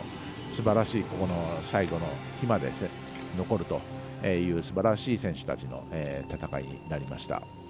最後の日まで残るというすばらしい選手たちの戦いになりました。